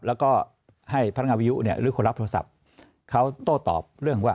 แล้วก็ให้พนักงานวิยุเนี่ยหรือคนรับโทรศัพท์เขาโต้ตอบเรื่องว่า